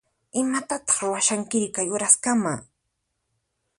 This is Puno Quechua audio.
Imatataq ruwashankiri kay uraskama?